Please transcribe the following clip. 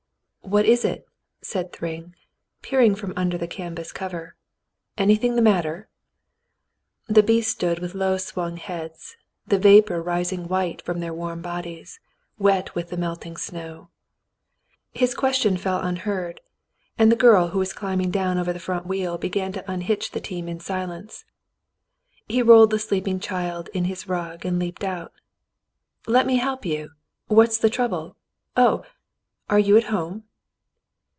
"What is it ?" said Thryng, peering from under the can vas cover. "Anything the matter ?" The beasts stood with low swung heads, the vapor rising white from their warm bodies, wet with the melting snow. His question fell unheard, and the girl who was climbing down over the front wheel began to unhitch the team in silence. He rolled the sleeping child in his rug and leaped out. "Let me help you. What is the trouble ? Oh, are you at home